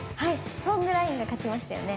ソングラインが勝ちましたよね。